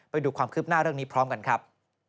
ไปดูความคืบหน้าเรื่องนี้พร้อมกันครับ